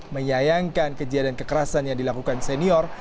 menyayangkan kejadian kekerasan yang dilakukan senior